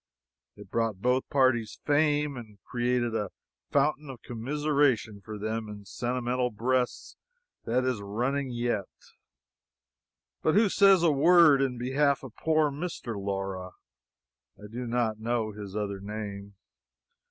It brought both parties fame, and created a fountain of commiseration for them in sentimental breasts that is running yet. But who says a word in behalf of poor Mr. Laura? (I do not know his other name.)